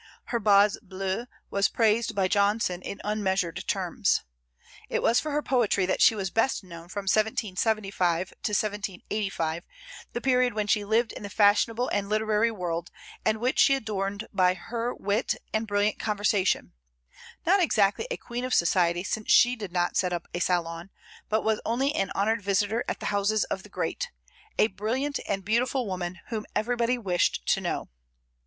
Her "Bas Bleu" was praised by Johnson in unmeasured terms. It was for her poetry that she was best known from 1775 to 1785, the period when she lived in the fashionable and literary world, and which she adorned by her wit and brilliant conversation, not exactly a queen of society, since she did not set up a salon, but was only an honored visitor at the houses of the great; a brilliant and beautiful woman, whom everybody wished to know.